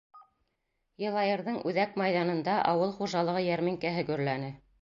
Йылайырҙың үҙәк майҙанында ауыл хужалығы йәрминкәһе гөрләне.